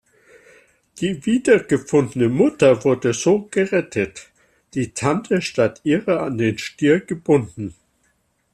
Die wiedergefundene Mutter wurde so gerettet, die Tante statt ihrer an den Stier gebunden.